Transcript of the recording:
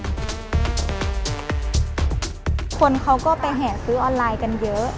คนเขาก็ไปแห่ซื้อออนไลน์กันเยอะ